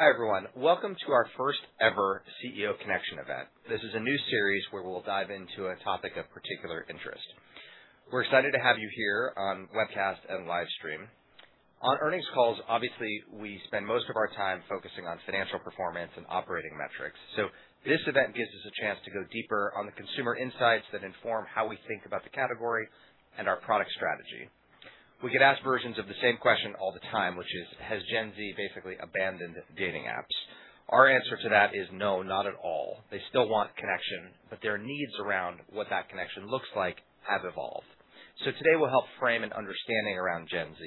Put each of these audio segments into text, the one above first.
Hi, everyone. Welcome to our first-ever CEO Connection event. This is a new series where we'll dive into a topic of particular interest. We're excited to have you here on webcast and live stream. On earnings calls, obviously, we spend most of our time focusing on financial performance and operating metrics. This event gives us a chance to go deeper on the consumer insights that inform how we think about the category and our product strategy. We get asked versions of the same question all the time, which is, has Gen Z basically abandoned dating apps? Our answer to that is no, not at all. They still want connection, their needs around what that connection looks like have evolved. Today, we'll help frame an understanding around Gen Z.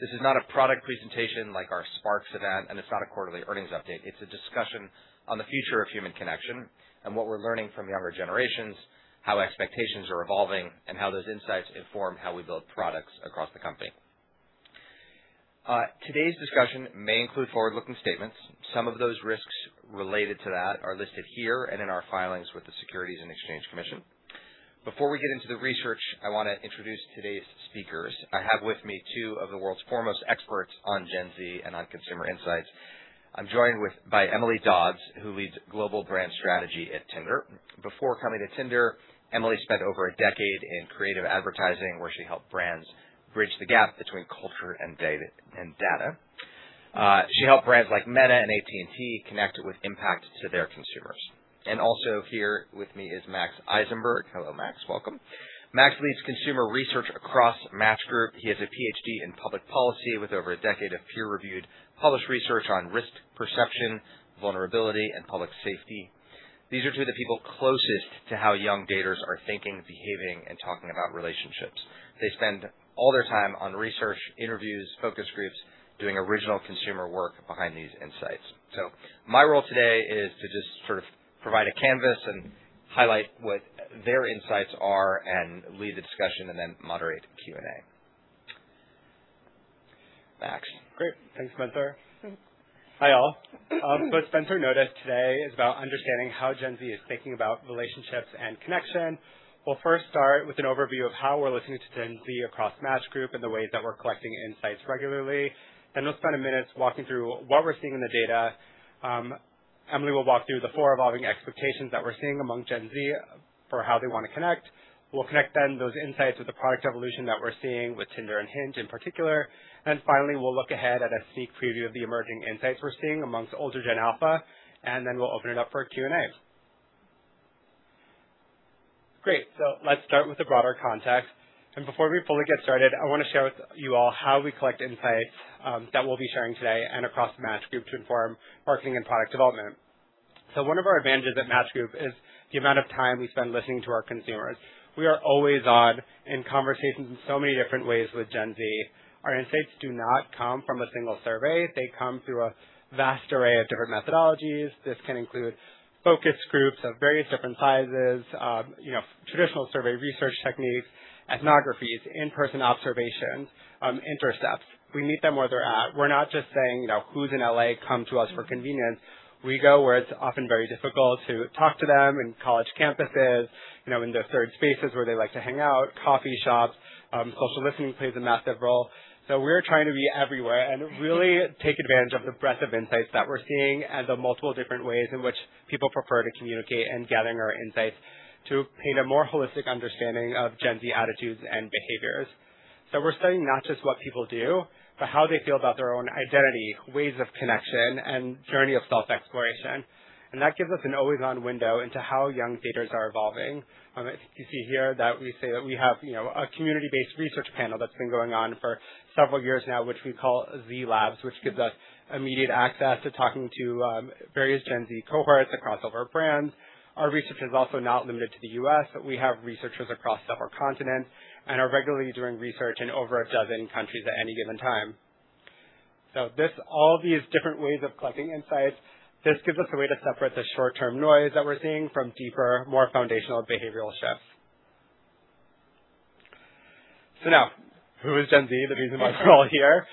This is not a product presentation like our SPARKS event, it's not a quarterly earnings update. It's a discussion on the future of human connection and what we're learning from younger generations, how expectations are evolving, and how those insights inform how we build products across the company. Today's discussion may include forward-looking statements. Some of those risks related to that are listed here and in our filings with the Securities and Exchange Commission. Before we get into the research, I want to introduce today's speakers. I have with me two of the world's foremost experts on Gen Z and on consumer insights. I'm joined by Emily Dods, who leads global brand strategy at Tinder. Before coming to Tinder, Emily spent over a decade in creative advertising, where she helped brands bridge the gap between culture and data. She helped brands like Meta and AT&T connect with impact to their consumers. Also here with me is Max Izenberg. Hello, Max. Welcome. Max leads consumer research across Match Group. He has a PhD in public policy with over a decade of peer-reviewed published research on risk perception, vulnerability, and public safety. These are two of the people closest to how young daters are thinking, behaving, and talking about relationships. They spend all their time on research, interviews, focus groups, doing original consumer work behind these insights. My role today is to just sort of provide a canvas and highlight what their insights are and lead the discussion, and then moderate the Q&A. Max? Great. Thanks, Spencer. Hi, all. As Spencer noted, today is about understanding how Gen Z is thinking about relationships and connection. We'll first start with an overview of how we're listening to Gen Z across Match Group and the ways that we're collecting insights regularly. We'll spend a minute walking through what we're seeing in the data. Emily will walk through the four evolving expectations that we're seeing among Gen Z for how they want to connect. We'll connect then those insights with the product evolution that we're seeing with Tinder and Hinge in particular. Finally, we'll look ahead at a sneak preview of the emerging insights we're seeing amongst older Gen Alpha, and then we'll open it up for Q&A. Great. Let's start with the broader context. Before we fully get started, I want to share with you all how we collect insights that we will be sharing today and across Match Group to inform marketing and product development. One of our advantages at Match Group is the amount of time we spend listening to our consumers. We are always on in conversations in so many different ways with Gen Z. Our insights do not come from a single survey. They come through a vast array of different methodologies. This can include focus groups of various different sizes, traditional survey research techniques, ethnographies, in-person observation, intercepts. We meet them where they are at. We are not just saying, "Who is in L.A.? Come to us for convenience." We go where it is often very difficult to talk to them, in college campuses, in their third spaces where they like to hang out, coffee shops. Social listening plays a massive role. We are trying to be everywhere and really take advantage of the breadth of insights that we are seeing and the multiple different ways in which people prefer to communicate and gathering our insights to paint a more holistic understanding of Gen Z attitudes and behaviors. We are studying not just what people do, but how they feel about their own identity, ways of connection, and journey of self-exploration. And that gives us an always-on window into how young daters are evolving. You see here that we say that we have a community-based research panel that has been going on for several years now, which we call Z Labs, which gives us immediate access to talking to various Gen Z cohorts across all of our brands. Our research is also not limited to the U.S. We have researchers across several continents and are regularly doing research in over a dozen countries at any given time. All these different ways of collecting insights, this gives us a way to separate the short-term noise that we are seeing from deeper, more foundational behavioral shifts. Now, who is Gen Z? The reason why we are all here.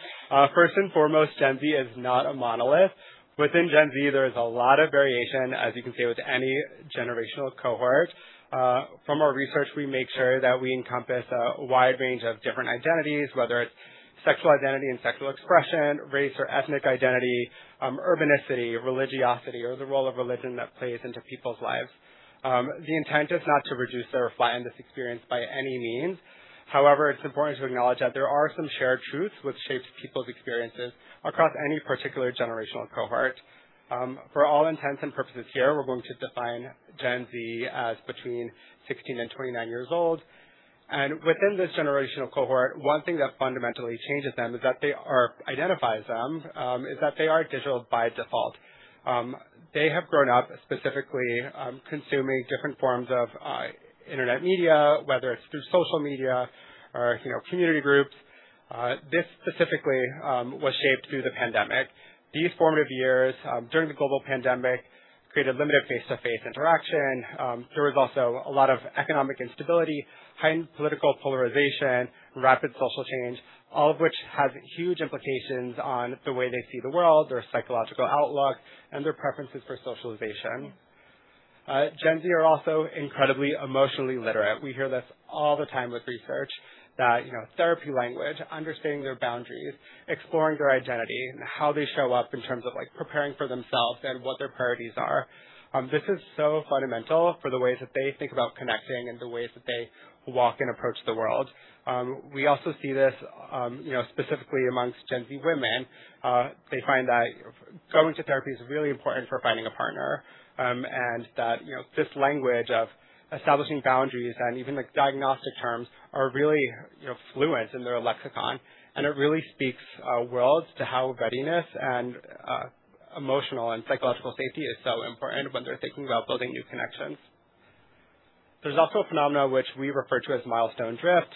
First and foremost, Gen Z is not a monolith. Within Gen Z, there is a lot of variation, as you can see, with any generational cohort. From our research, we make sure that we encompass a wide range of different identities, whether it is sexual identity and sexual expression, race or ethnic identity, urbanicity, religiosity, or the role of religion that plays into people's lives. The intent is not to reduce or flatten this experience by any means. However, it is important to acknowledge that there are some shared truths which shaped people's experiences across any particular generational cohort. For all intents and purposes here, we are going to define Gen Z as between 16 and 29 years old. And within this generational cohort, one thing that fundamentally identifies them is that they are digital by default. They have grown up specifically consuming different forms of internet media, whether it is through social media or community groups. This specifically was shaped through the pandemic. These formative years during the global pandemic created limited face-to-face interaction. There was also a lot of economic instability, heightened political polarization, rapid social change, all of which has huge implications on the way they see the world, their psychological outlook, and their preferences for socialization. Gen Z are also incredibly emotionally literate. We hear this all the time with research that therapy language, understanding their boundaries, exploring their identity, and how they show up in terms of preparing for themselves and what their priorities are. This is so fundamental for the ways that they think about connecting and the ways that they walk and approach the world. We also see this, specifically amongst Gen Z women. They find that going to therapy is really important for finding a partner, and that this language of establishing boundaries and even diagnostic terms are really fluent in their lexicon. It really speaks worlds to how readiness and emotional and psychological safety is so important when they're thinking about building new connections. There's also a phenomena which we refer to as milestone drift.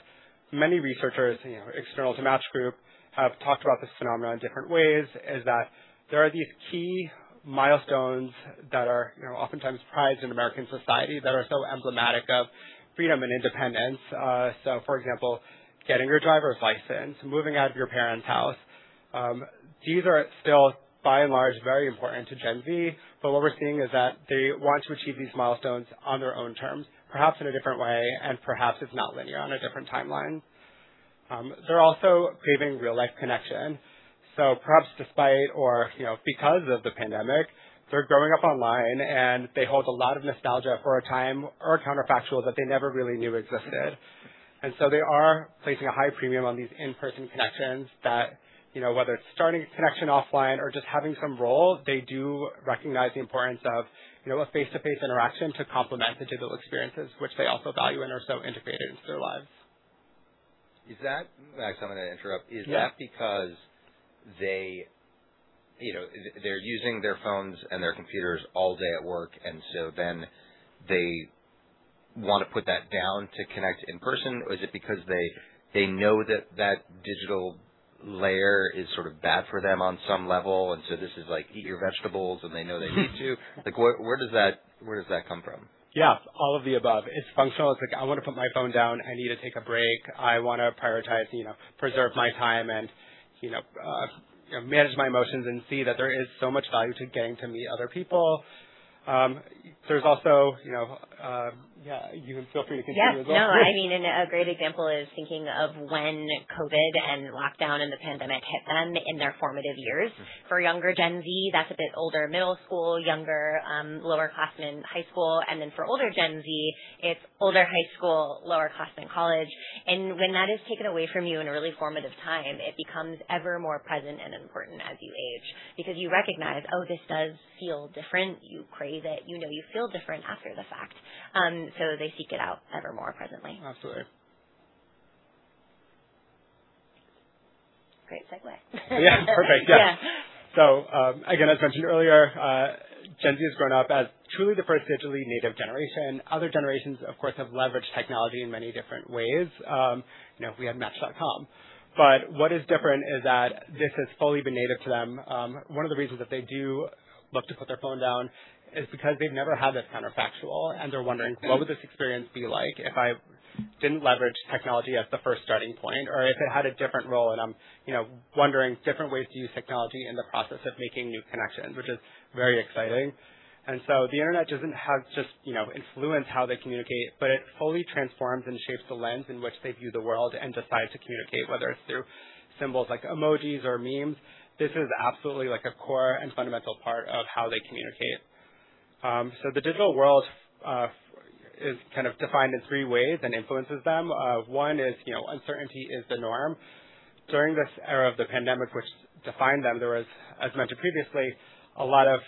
Many researchers, external to Match Group, have talked about this phenomenon in different ways, is that there are these key milestones that are oftentimes prized in American society that are so emblematic of freedom and independence. For example, getting your driver's license, moving out of your parents' house. These are still by and large very important to Gen Z, but what we're seeing is that they want to achieve these milestones on their own terms, perhaps in a different way, and perhaps it's not linear, on a different timeline. They're also craving real-life connection. Perhaps despite or because of the pandemic, they're growing up online and they hold a lot of nostalgia for a time or a counterfactual that they never really knew existed. They are placing a high premium on these in-person connections that, whether it's starting a connection offline or just having some role, they do recognize the importance of a face-to-face interaction to complement the digital experiences which they also value and are so integrated into their lives. Sorry to interrupt. Yeah. Is that because they're using their phones and their computers all day at work, they want to put that down to connect in person? Or is it because they know that that digital layer is sort of bad for them on some level, this is like eat your vegetables, and they know they need to? Where does that come from? All of the above. It's functional. It's like, I want to put my phone down. I need to take a break. I want to prioritize, preserve my time and manage my emotions and see that there is so much value to getting to meet other people. There's also, yeah, you can feel free to kick in as well. Yes. No, I mean, a great example is thinking of when COVID-19 and lockdown and the pandemic hit them in their formative years. For younger Gen Z, that's a bit older, middle school, younger, lower classmen high school. For older Gen Z, it's older high school, lower classmen college. When that is taken away from you in a really formative time, it becomes ever more present and important as you age because you recognize, oh, this does feel different. You crave it. You know you feel different after the fact. They seek it out ever more presently. Absolutely. Great segue. Yeah. Perfect. Yeah. Again, as mentioned earlier, Gen Z has grown up as truly the first digitally native generation. Other generations, of course, have leveraged technology in many different ways. We had Match.com. What is different is that this has fully been native to them. One of the reasons that they do look to put their phone down is because they've never had this counterfactual, and they're wondering, what would this experience be like if I didn't leverage technology as the first starting point, or if it had a different role? I'm wondering different ways to use technology in the process of making new connections, which is very exciting. The internet doesn't just influence how they communicate, but it fully transforms and shapes the lens in which they view the world and decide to communicate, whether it's through symbols like emojis or memes. This is absolutely a core and fundamental part of how they communicate. The digital world is kind of defined in three ways and influences them. One is, uncertainty is the norm. During this era of the pandemic, which defined them, there was, as mentioned previously, a lot of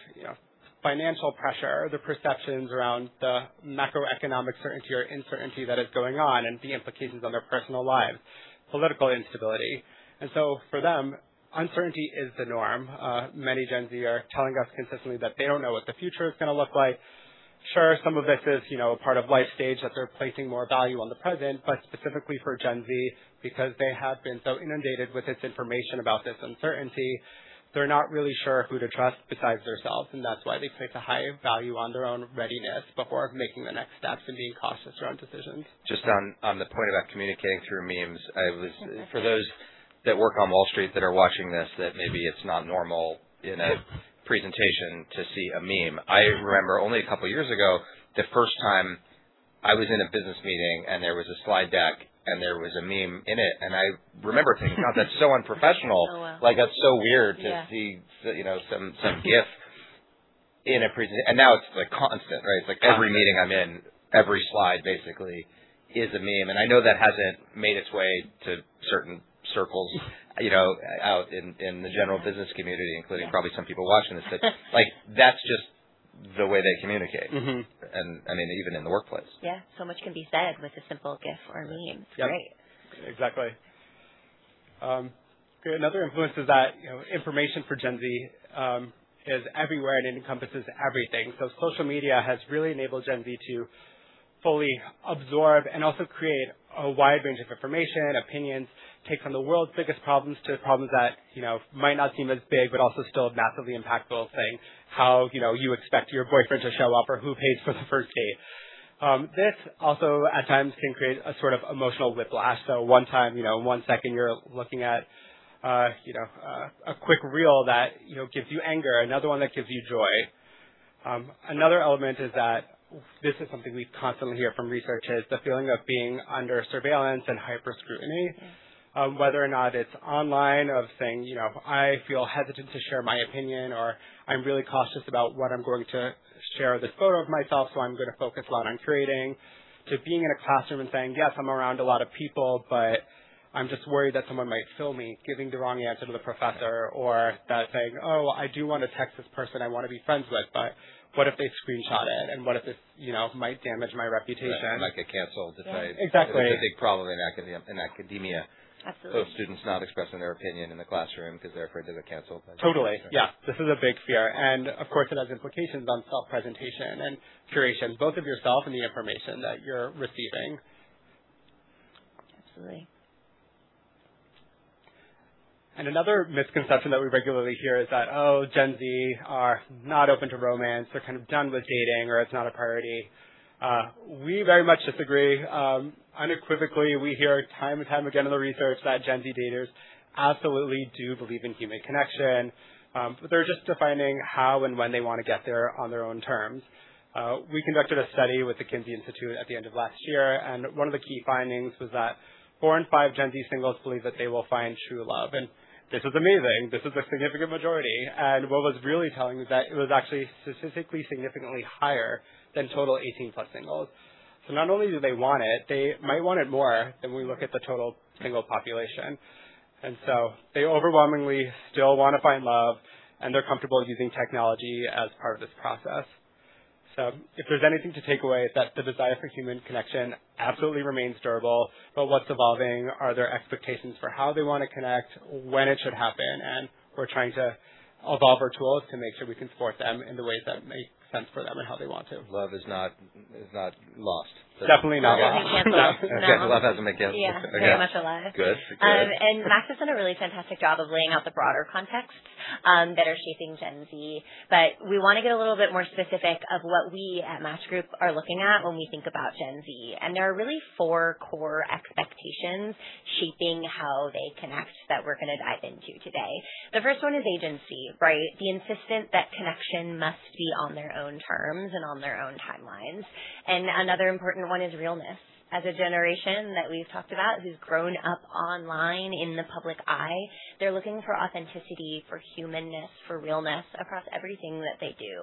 financial pressure, the perceptions around the macroeconomic certainty or uncertainty that is going on and the implications on their personal lives, political instability. For them, uncertainty is the norm. Many Gen Z are telling us consistently that they don't know what the future is going to look like. Sure, some of this is a part of life stage, that they're placing more value on the present. Specifically for Gen Z, because they have been so inundated with this information about this uncertainty, they're not really sure who to trust besides themselves, and that's why they place a high value on their own readiness before making the next steps and being cautious around decisions. Just on the point about communicating through memes. For those that work on Wall Street that are watching this, that maybe it's not normal in a presentation to see a meme. I remember only a couple of years ago, the first time I was in a business meeting and there was a slide deck and there was a meme in it. I remember thinking, that's so unprofessional. Wow. Like that's so weird to see some GIF in a presentation, and now it's constant, right? Constant. It's like every meeting I'm in, every slide basically is a meme. I know that hasn't made its way to certain circles out in the general business community, including probably some people watching this, but that's just the way they communicate. I mean, even in the workplace. Yeah. Much can be said with a simple GIF or meme. It's great. Exactly. Another influence is that information for Gen Z is everywhere, and it encompasses everything. Social media has really enabled Gen Z to fully absorb and also create a wide range of information, opinions, take from the world's biggest problems to problems that might not seem as big, but also still massively impactful things. How you expect your boyfriend to show up or who pays for the first date. This also at times can create a sort of emotional whiplash. One time, one second, you're looking at a quick reel that gives you anger, another one that gives you joy. Another element is that this is something we constantly hear from researchers, the feeling of being under surveillance and hyper-scrutiny. Whether or not it's online of saying, "I feel hesitant to share my opinion," or, "I'm really cautious about what I'm going to share this photo of myself, so I'm going to focus a lot on curating." To being in a classroom and saying, "Yes, I'm around a lot of people, but I'm just worried that someone might film me giving the wrong answer to the professor." That saying, "Oh, I do want to text this person I want to be friends with, but what if they screenshot it and what if this might damage my reputation? I get canceled. Exactly. This is a big problem in academia. Absolutely. Of students not expressing their opinion in the classroom because they're afraid they'll get canceled. Totally. Yeah. This is a big fear. Of course, it has implications on self-presentation and curation, both of yourself and the information that you're receiving. Absolutely. Another misconception that we regularly hear is that, oh, Gen Z are not open to romance, they're kind of done with dating, or it's not a priority. We very much disagree. Unequivocally, we hear time and time again in the research that Gen Z daters absolutely do believe in human connection. They're just defining how and when they want to get there on their own terms. We conducted a study with the Kinsey Institute at the end of last year, and one of the key findings was that four in five Gen Z singles believe that they will find true love. This is amazing. This is a significant majority. What was really telling is that it was actually statistically significantly higher than total 18+ singles. Not only do they want it, they might want it more than we look at the total single population. They overwhelmingly still want to find love, and they're comfortable using technology as part of this process. If there's anything to take away, it's that the desire for human connection absolutely remains durable, but what's evolving are their expectations for how they want to connect, when it should happen, and we're trying to evolve our tools to make sure we can support them in the ways that make sense for them and how they want to. Love is not lost. Definitely not lost. It's been canceled. No. Okay. Love hasn't been canceled. Yeah. Okay. Very much alive. Good. Max has done a really fantastic job of laying out the broader context that are shaping Gen Z. We want to get a little bit more specific of what we at Match Group are looking at when we think about Gen Z. There are really four core expectations shaping how they connect that we're going to dive into today. The first one is agency, right. The insistence that connection must be on their own terms and on their own timelines. Another important one is realness. As a generation that we've talked about who's grown up online in the public eye, they're looking for authenticity, for humanness, for realness across everything that they do.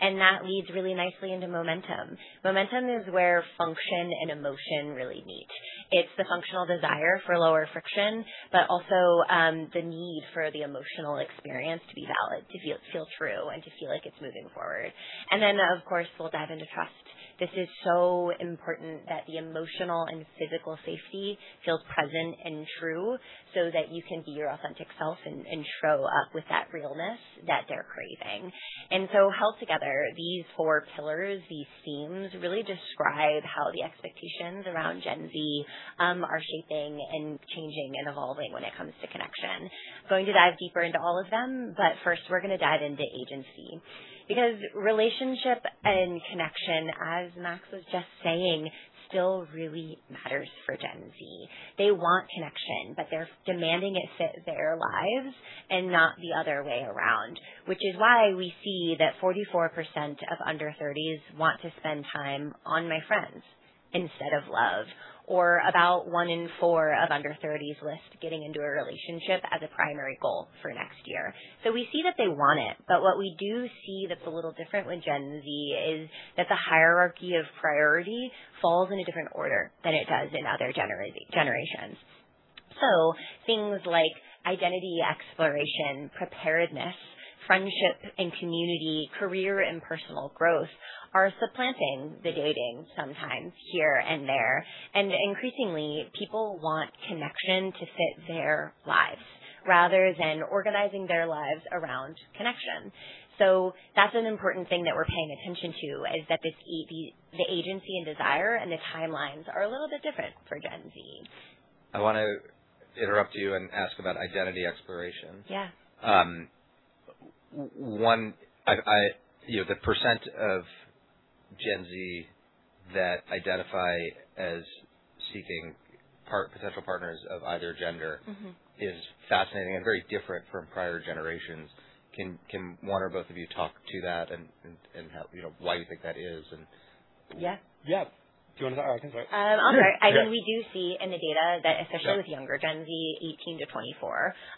That leads really nicely into momentum. Momentum is where function and emotion really meet. It's the functional desire for lower friction, but also the need for the emotional experience to be valid, to feel true, and to feel like it's moving forward. Of course, we'll dive into trust. This is so important that the emotional and physical safety feels present and true so that you can be your authentic self and show up with that realness that they're craving. Held together, these four pillars, these themes really describe how the expectations around Gen Z are shaping and changing and evolving when it comes to connection. Going to dive deeper into all of them, but first, we're going to dive into agency. Because relationship and connection, as Max was just saying, still really matters for Gen Z. They want connection, but they're demanding it fit their lives and not the other way around. Which is why we see that 44% of under 30s want to spend time on my friends instead of love, or about 1:4 of under 30s list getting into a relationship as a primary goal for next year. We see that they want it, but what we do see that's a little different with Gen Z is that the hierarchy of priority falls in a different order than it does in other generations. Things like identity exploration, preparedness, friendship, and community, career, and personal growth are supplanting the dating sometimes here and there. Increasingly, people want connection to fit their lives rather than organizing their lives around connection. That's an important thing that we're paying attention to, is that the agency and desire and the timelines are a little bit different for Gen Z. I want to interrupt you and ask about identity exploration. Yeah. One, the percent of Gen Z that identify as seeking potential partners of either gender. is fascinating and very different from prior generations. Can one or both of you talk to that and why you think that is? Yeah. Yeah. I can start. I'll start. Yeah. We do see in the data that. Yeah. with younger Gen Z, 18-24,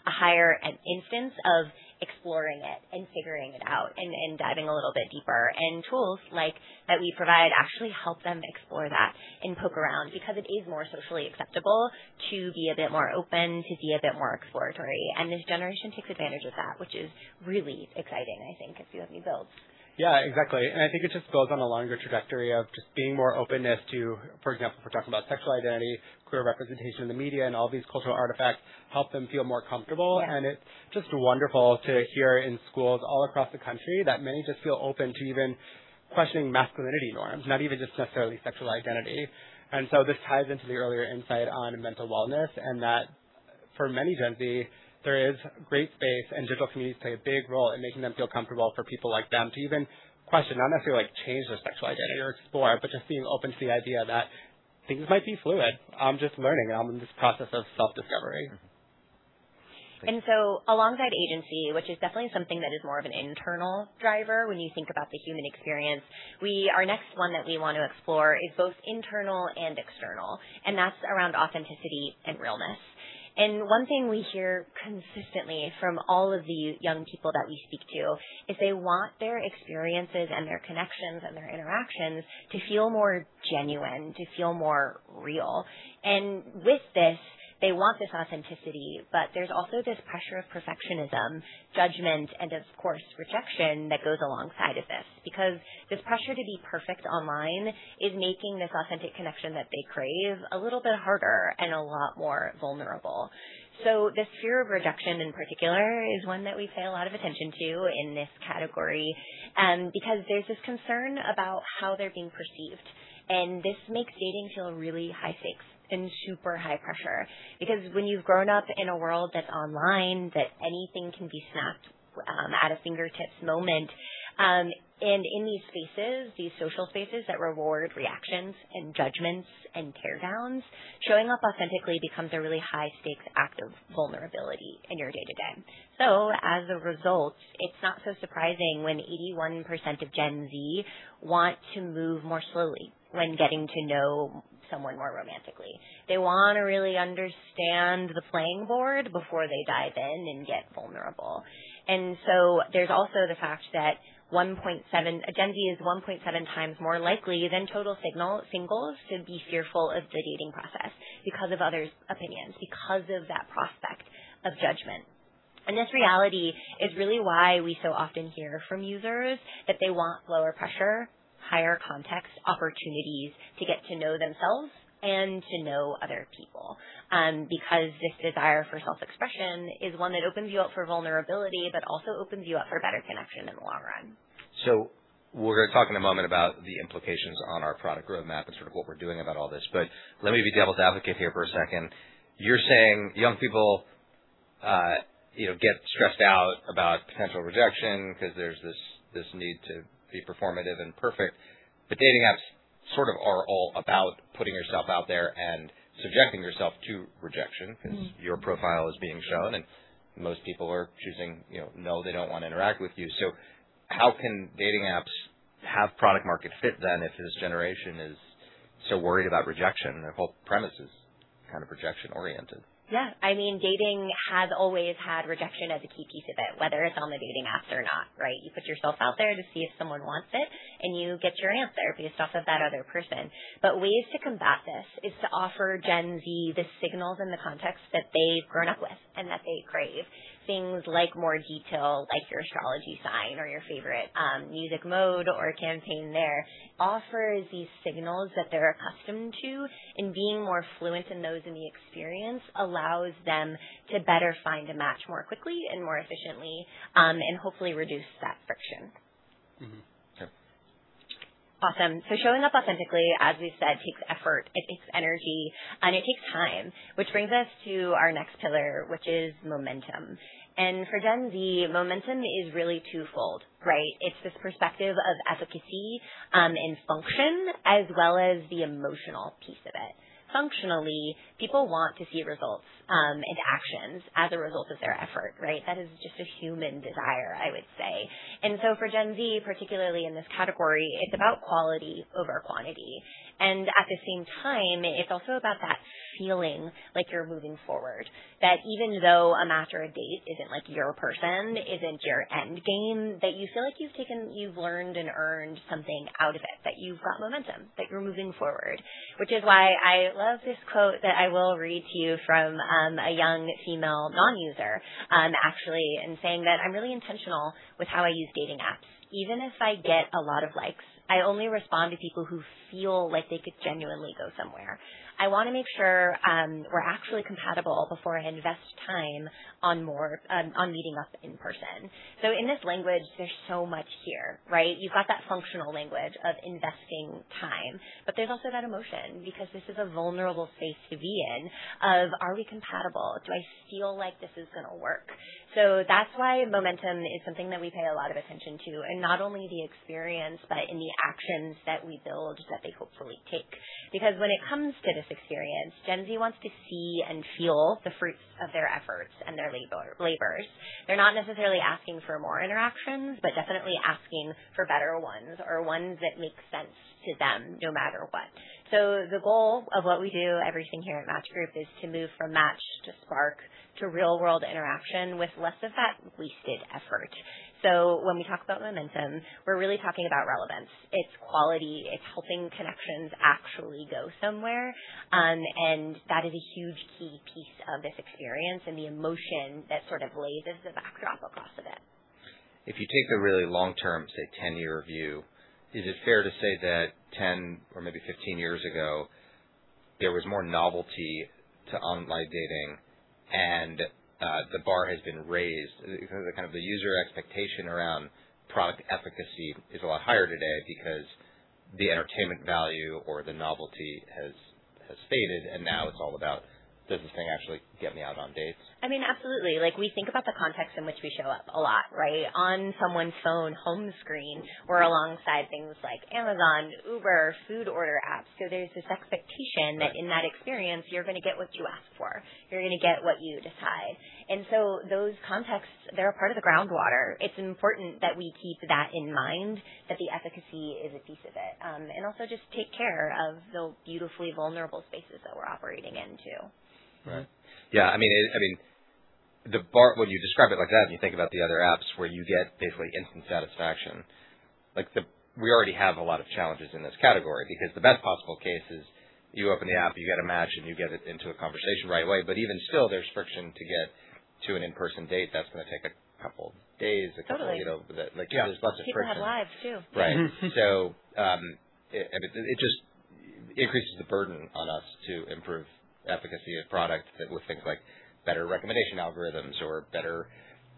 a higher instance of exploring it and figuring it out and diving a little bit deeper. Tools like that we provide actually help them explore that and poke around because it is more socially acceptable to be a bit more open, to be a bit more exploratory. This generation takes advantage of that, which is really exciting, I think. Yeah, exactly. I think it just goes on a longer trajectory of just being more openness to, for example, if we're talking about sexual identity, queer representation in the media, and all these cultural artifacts help them feel more comfortable. Yeah. It's just wonderful to hear in schools all across the country that many just feel open to even questioning masculinity norms, not even just necessarily sexual identity. This ties into the earlier insight on mental wellness and that. For many Gen Z, there is great space and digital communities play a big role in making them feel comfortable for people like them to even question, not necessarily change their sexual identity or explore, but just being open to the idea that things might be fluid. I'm just learning. I'm in this process of self-discovery. Alongside agency, which is definitely something that is more of an internal driver when you think about the human experience, our next one that we want to explore is both internal and external, and that's around authenticity and realness. One thing we hear consistently from all of the young people that we speak to is they want their experiences and their connections and their interactions to feel more genuine, to feel more real. With this, they want this authenticity, but there's also this pressure of perfectionism, judgment, and of course, rejection that goes alongside of this. Because this pressure to be perfect online is making this authentic connection that they crave a little bit harder and a lot more vulnerable. This fear of rejection in particular is one that we pay a lot of attention to in this category, because there's this concern about how they're being perceived. This makes dating feel really high stakes and super high pressure. Because when you've grown up in a world that's online, that anything can be snapped at a fingertips moment, and in these spaces, these social spaces that reward reactions and judgments and tear downs, showing up authentically becomes a really high-stakes act of vulnerability in your day-to-day. As a result, it's not so surprising when 81% of Gen Z want to move more slowly when getting to know someone more romantically. They want to really understand the playing board before they dive in and get vulnerable. There's also the fact that Gen Z is 1.7x more likely than total singles to be fearful of the dating process because of others' opinions, because of that prospect of judgment. This reality is really why we so often hear from users that they want lower pressure, higher context opportunities to get to know themselves and to know other people. Because this desire for self-expression is one that opens you up for vulnerability, but also opens you up for better connection in the long run. We're going to talk in a moment about the implications on our product roadmap and sort of what we're doing about all this. Let me be devil's advocate here for a second. You're saying young people get stressed out about potential rejection because there's this need to be performative and perfect, but dating apps sort of are all about putting yourself out there and subjecting yourself to rejection? Your profile is being shown and most people are choosing, no, they don't want to interact with you. How can dating apps have product market fit then if this generation is so worried about rejection? Their whole premise is kind of rejection-oriented. Dating has always had rejection as a key piece of it, whether it's on the dating apps or not, right? You put yourself out there to see if someone wants it, and you get your answer based off of that other person. Ways to combat this is to offer Gen Z the signals and the context that they've grown up with and that they crave. Things like more detail, like your astrology sign or your favorite Music Mode or campaign there offers these signals that they're accustomed to, and being more fluent in those in the experience allows them to better find a match more quickly and more efficiently, and hopefully reduce that friction. Mm-hmm. Okay. Awesome. Showing up authentically, as we've said, takes effort, it takes energy, and it takes time, which brings us to our next pillar, which is momentum. For Gen Z, momentum is really twofold, right? It's this perspective of efficacy in function as well as the emotional piece of it. Functionally, people want to see results and actions as a result of their effort, right? That is just a human desire, I would say. For Gen Z, particularly in this category, it's about quality over quantity. At the same time, it's also about that feeling like you're moving forward. That even though a match or a date isn't your person, isn't your end game, that you feel like you've taken, you've learned and earned something out of it, that you've got momentum, that you're moving forward, which is why I love this quote that I will read to you from a young female non-user actually, and saying that, "I'm really intentional with how I use dating apps. Even if I get a lot of likes, I only respond to people who feel like they could genuinely go somewhere. I want to make sure we're actually compatible before I invest time on meeting up in person." In this language, there's so much here, right? You've got that functional language of investing time, but there's also that emotion because this is a vulnerable space to be in of are we compatible? Do I feel like this is going to work? That's why momentum is something that we pay a lot of attention to, in not only the experience, but in the actions that we build that they hopefully take. Because when it comes to this experience, Gen Z wants to see and feel the fruits of their efforts and their labors. They're not necessarily asking for more interactions, but definitely asking for better ones or ones that make sense to them no matter what. The goal of what we do, everything here at Match Group is to move from match to spark to real-world interaction with less of that wasted effort. When we talk about momentum, we're really talking about relevance. It's quality. It's helping connections actually go somewhere. That is a huge key piece of this experience and the emotion that sort of laces the backdrop across of it. If you take the really long-term, say, 10-year view, is it fair to say that 10 or maybe 15 years ago, there was more novelty to online dating and the bar has been raised? The user expectation around product efficacy is a lot higher today. The entertainment value or the novelty has faded, and now it's all about does this thing actually get me out on dates? Absolutely. We think about the context in which we show up a lot, right? On someone's phone home screen, we're alongside things like Amazon, Uber, food order apps. There's this expectation that in that experience, you're going to get what you ask for. You're going to get what you decide. Those contexts, they're a part of the groundwater. It's important that we keep that in mind, that the efficacy is a piece of it. Also just take care of the beautifully vulnerable spaces that we're operating into. Right. Yeah, when you describe it like that and you think about the other apps where you get basically instant satisfaction, we already have a lot of challenges in this category because the best possible case is you open the app, you get a match, and you get into a conversation right away. Even still, there's friction to get to an in-person date that's going to take a couple days, a couple- Totally There's lots of friction. Keep that alive, too. Right. It just increases the burden on us to improve efficacy of product with things like better recommendation algorithms or better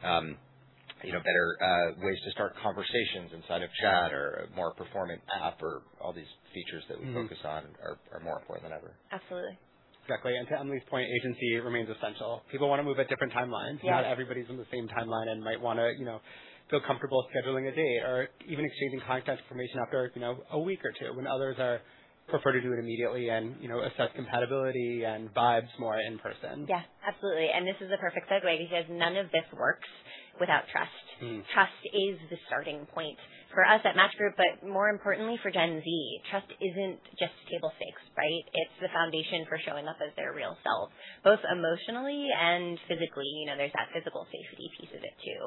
ways to start conversations inside of chat or a more performant app or all these features that we focus on are more important than ever. Absolutely. Exactly. To Emily's point, agency remains essential. People want to move at different timelines. Yes. Not everybody's on the same timeline and might want to feel comfortable scheduling a date or even exchanging contact information after a week or two when others prefer to do it immediately and assess compatibility and vibes more in person. Yeah, absolutely. This is a perfect segue because none of this works without trust. Trust is the starting point for us at Match Group, but more importantly for Gen Z. Trust isn't just table stakes, right? It's the foundation for showing up as their real selves, both emotionally and physically. There's that physical safety piece of it, too.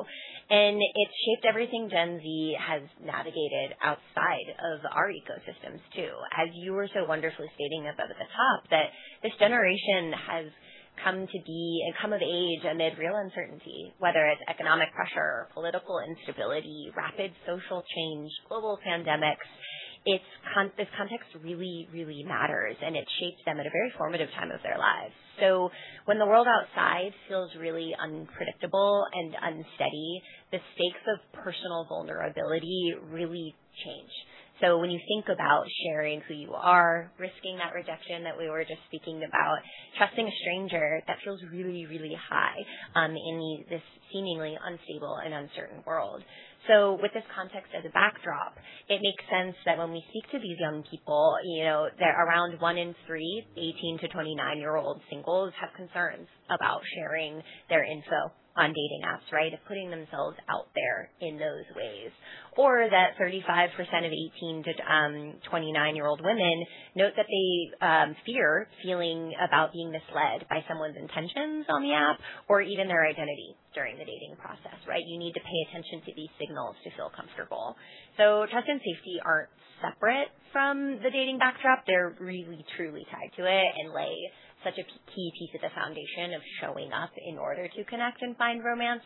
It's shaped everything Gen Z has navigated outside of our ecosystems, too. As you were so wonderfully stating up at the top, that this generation has come of age amid real uncertainty, whether it's economic pressure or political instability, rapid social change, global pandemics. This context really, really matters, and it shapes them at a very formative time of their lives. When the world outside feels really unpredictable and unsteady, the stakes of personal vulnerability really change. When you think about sharing who you are, risking that rejection that we were just speaking about, trusting a stranger, that feels really, really high in this seemingly unstable and uncertain world. With this context as a backdrop, it makes sense that when we speak to these young people, that around one in three 18-29-year-old singles have concerns about sharing their info on dating apps, right? Of putting themselves out there in those ways. Or that 35% of 18-29-year-old women note that they fear feeling about being misled by someone's intentions on the app or even their identity during the dating process, right? You need to pay attention to these signals to feel comfortable. Trust and safety aren't separate from the dating backdrop. They're really, truly tied to it and lay such a key piece of the foundation of showing up in order to connect and find romance.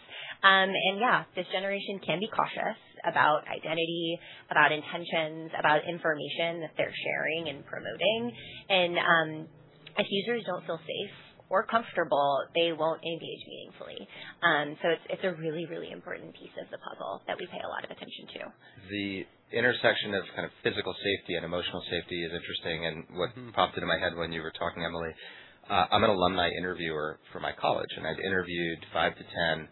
This generation can be cautious about identity, about intentions, about information that they're sharing and promoting. If users don't feel safe or comfortable, they won't engage meaningfully. It's a really, really important piece of the puzzle that we pay a lot of attention to. The intersection of physical safety and emotional safety is interesting. What popped into my head when you were talking, Emily, I'm an alumni interviewer for my college, and I've interviewed five to 10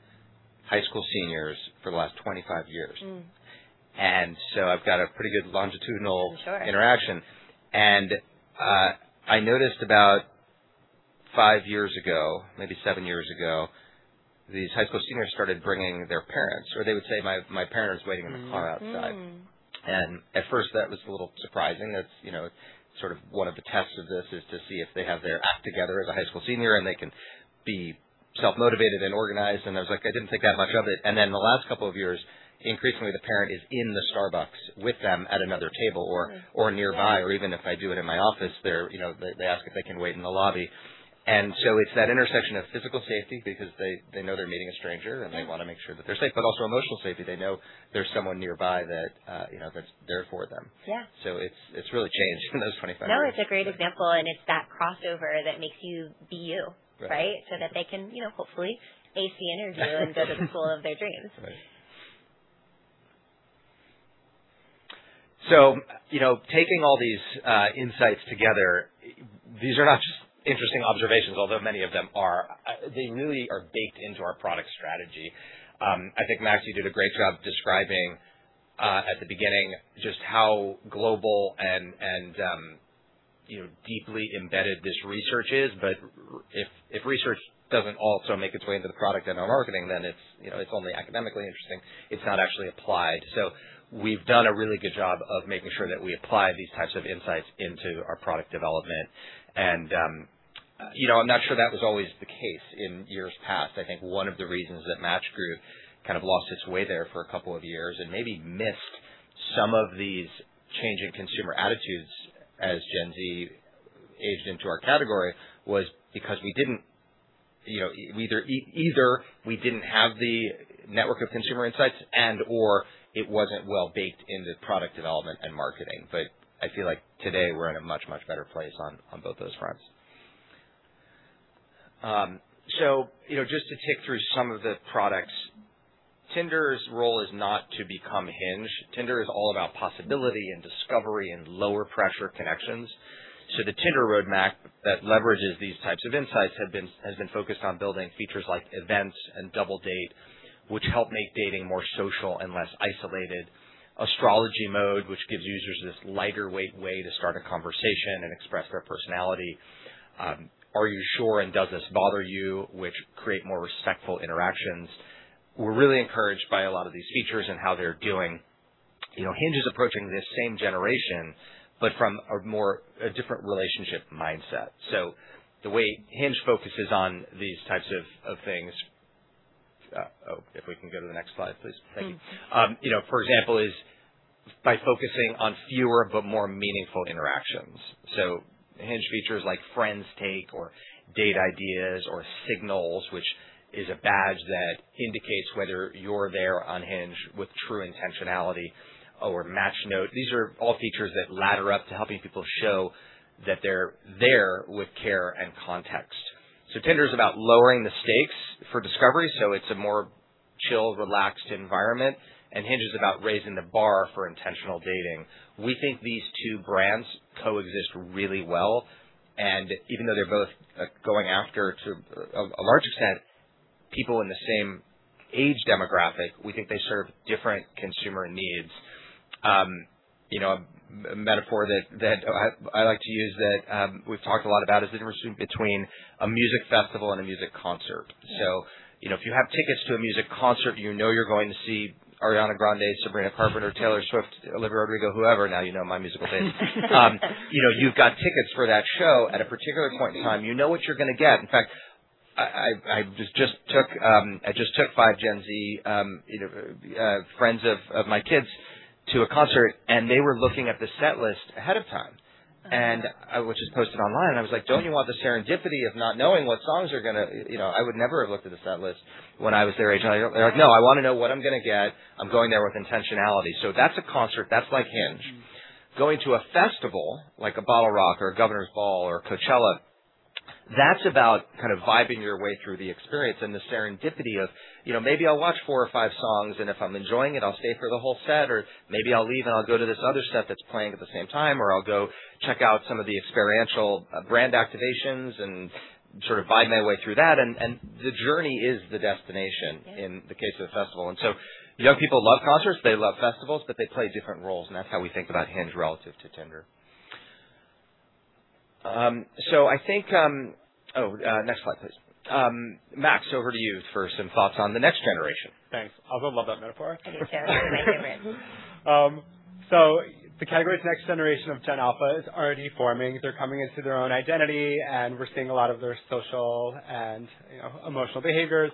high school seniors for the last 25 years. I've got a pretty good longitudinal. I'm sure. Interaction. I noticed about five years ago, maybe seven years ago, these high school seniors started bringing their parents, or they would say, "My parent is waiting in the car outside. At first, that was a little surprising. That's one of the tests of this is to see if they have their act together as a high school senior, and they can be self-motivated and organized, and I was like, I didn't think that much of it. The last couple of years, increasingly, the parent is in the Starbucks with them at another table or nearby, or even if I do it in my office, they ask if they can wait in the lobby. It's that intersection of physical safety because they know they're meeting a stranger, and they want to make sure that they're safe, but also emotional safety. They know there's someone nearby that's there for them. Yeah. It's really changed in those 25 years. No, it's a great example, and it's that crossover that makes you be you, right? Right. That they can hopefully ace the interview and go to the school of their dreams. Right. Taking all these insights together, these are not just interesting observations, although many of them are. They really are baked into our product strategy. I think Maxie did a great job describing, at the beginning, just how global and deeply embedded this research is. If research doesn't also make its way into the product and our marketing, then it's only academically interesting. It's not actually applied. We've done a really good job of making sure that we apply these types of insights into our product development. I'm not sure that was always the case in years past. I think one of the reasons that Match Group kind of lost its way there for a couple of years and maybe missed some of these changing consumer attitudes as Gen Z aged into our category was because either we didn't have the network of consumer insights and/or it wasn't well baked into product development and marketing. I feel like today we're in a much, much better place on both those fronts. Just to tick through some of the products. Tinder's role is not to become Hinge. Tinder is all about possibility and discovery and lower pressure connections. The Tinder roadmap that leverages these types of insights has been focused on building features like Events and Double Date, which help make dating more social and less isolated. Astrology Mode, which gives users this lighter weight way to start a conversation and express their personality. Are You Sure? and Does This Bother You?, which create more respectful interactions. We're really encouraged by a lot of these features and how they're doing. Hinge is approaching this same generation, from a different relationship mindset. The way Hinge focuses on these types of things, oh, if we can go to the next slide, please. Thank you. Is by focusing on fewer but more meaningful interactions. Hinge features like Friends Take or Date Ideas or Signals, which is a badge that indicates whether you're there on Hinge with true intentionality or Match Note. These are all features that ladder up to helping people show that they're there with care and context. Tinder's about lowering the stakes for discovery, so it's a more chill, relaxed environment, and Hinge is about raising the bar for intentional dating. We think these two brands coexist really well, and even though they're both going after, to a large extent, people in the same age demographic, we think they serve different consumer needs. A metaphor that I like to use that we've talked a lot about is the difference between a music festival and a music concert. Yeah. If you have tickets to a music concert, you know you're going to see Ariana Grande, Sabrina Carpenter, Taylor Swift, Olivia Rodrigo, whoever. Now you know my musical taste. You've got tickets for that show at a particular point in time. You know what you're going to get. In fact, I just took five Gen Z friends of my kids to a concert, and they were looking at the setlist ahead of time, which is posted online, and I was like, "Don't you want the serendipity of not knowing what songs are going to" I would never have looked at a setlist when I was their age. And they're like, "No, I want to know what I'm going to get. I'm going there with intentionality." That's a concert, that's like Hinge. Going to a festival, like a BottleRock or a Governors Ball or a Coachella, that's about kind of vibing your way through the experience and the serendipity of, maybe I'll watch four or five songs, and if I'm enjoying it, I'll stay for the whole set. Maybe I'll leave and I'll go to this other set that's playing at the same time, or I'll go check out some of the experiential brand activations and sort of find my way through that. The journey is the destination. Yeah In the case of the festival. Young people love concerts, they love festivals, but they play different roles, and that's how we think about Hinge relative to Tinder. I think, next slide, please. Max, over to you for some thoughts on the next generation. Thanks. Also love that metaphor. I did too. It was my favorite. The category's next generation of Gen Alpha is already forming. They're coming into their own identity, and we're seeing a lot of their social and emotional behaviors.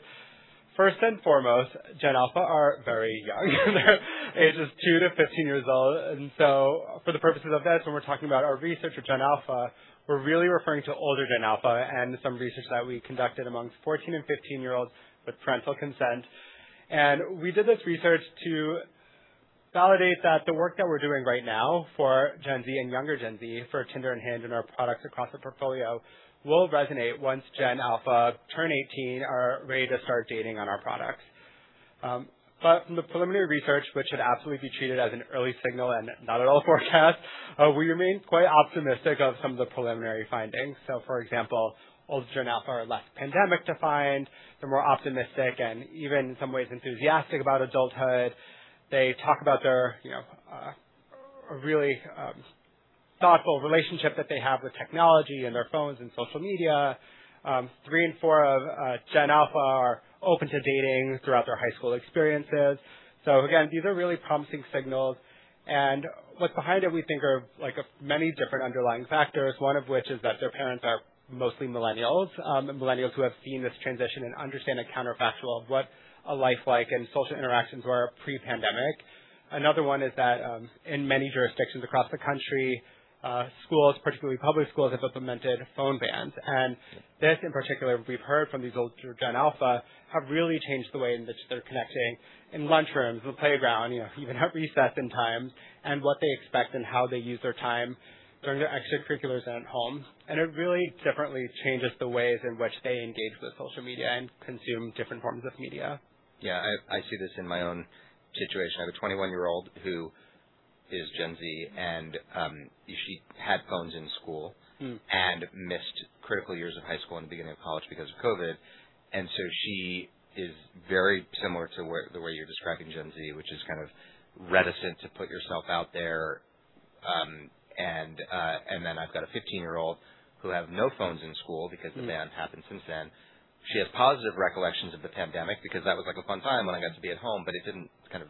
First and foremost, Gen Alpha are very young. They're ages two to 15 years old. For the purposes of this, when we're talking about our research with Gen Alpha, we're really referring to older Gen Alpha and some research that we conducted amongst 14 and 15-year-olds with parental consent. We did this research to validate that the work that we're doing right now for Gen Z and younger Gen Z, for Tinder and Hinge and our products across the portfolio, will resonate once Gen Alpha turn 18, are ready to start dating on our products. From the preliminary research, which should absolutely be treated as an early signal and not at all a forecast, we remain quite optimistic of some of the preliminary findings. For example, older Gen Alpha are less pandemic defined. They're more optimistic and even in some ways enthusiastic about adulthood. They talk about their really thoughtful relationship that they have with technology and their phones and social media. Three in four of Gen Alpha are open to dating throughout their high school experiences. Again, these are really promising signals, and what's behind it, we think, are many different underlying factors. One of which is that their parents are mostly Millennials. Millennials who have seen this transition and understand a counterfactual of what a life like and social interactions were pre-pandemic. Another one is that in many jurisdictions across the country, schools, particularly public schools, have implemented phone bans. This in particular, we've heard from these older Gen Alpha, have really changed the way in which they're connecting in lunchrooms, the playground, even at recess and times, and what they expect and how they use their time during their extracurriculars and at home. It really differently changes the ways in which they engage with social media and consume different forms of media. I see this in my own situation. I have a 21-year-old who is Gen Z. She had phones in school. Missed critical years of high school and the beginning of college because of COVID-19. She is very similar to the way you're describing Gen Z, which is kind of reticent to put yourself out there. Then I've got a 15-year-old who have no phones in school because the ban happened since then. She has positive recollections of the pandemic because that was like a fun time when I got to be at home, but it didn't kind of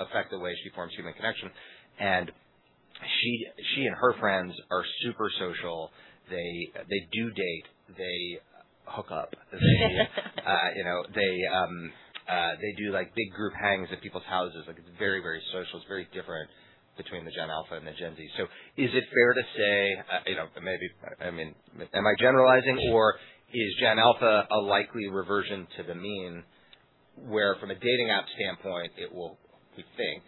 affect the way she forms human connection. She and her friends are super social. They do date. They hook up. They do big group hangs at people's houses, like very, very social. It's very different between the Gen Alpha and the Gen Z. Is it fair to say, maybe, am I generalizing or is Gen Alpha a likely reversion to the mean, where from a dating app standpoint, You think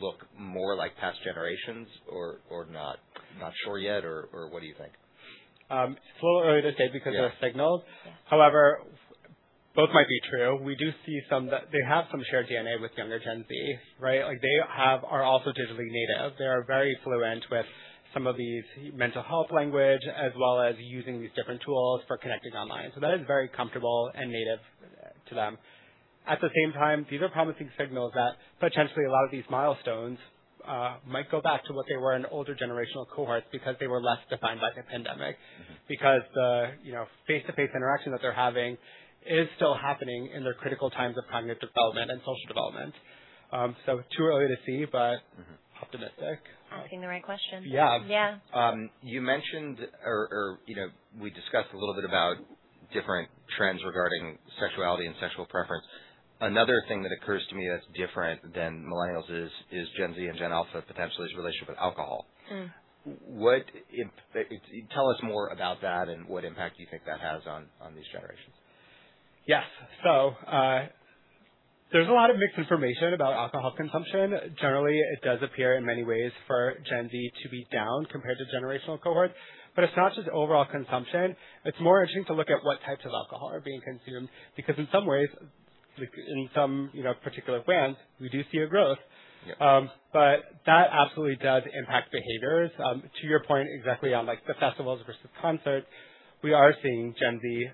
look more like past generations or not? Not sure yet, or what do you think? It's a little early to say because those signals. Yeah. However, both might be true. We do see some that they have some shared DNA with younger Gen Z. They are also digitally native. They are very fluent with some of these mental health language, as well as using these different tools for connecting online. That is very comfortable and native to them. At the same time, these are promising signals that potentially a lot of these milestones might go back to what they were in older generational cohorts because they were less defined by the pandemic. The face-to-face interaction that they're having is still happening in their critical times of cognitive development and social development. Too early to see. Optimistic. Asking the right questions. Yeah. Yeah. We discussed a little bit about different trends regarding sexuality and sexual preference. Another thing that occurs to me that's different than Millennials is Gen Z and Gen Alpha potentially is relationship with alcohol. Tell us more about that and what impact you think that has on these generations. Yes. There's a lot of mixed information about alcohol consumption. Generally, it does appear in many ways for Gen Z to be down compared to generational cohorts, but it's not just overall consumption. It's more interesting to look at what types of alcohol are being consumed, because in some ways, like in some particular brands, we do see a growth. Yeah. That absolutely does impact behaviors. To your point exactly on like the festivals versus concerts, we are seeing Gen Z,